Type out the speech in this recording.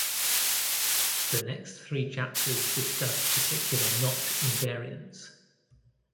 The next three chapters discuss particular knot invariants.